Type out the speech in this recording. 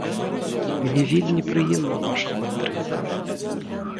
Мне вельмі прыемна ваша падтрымка.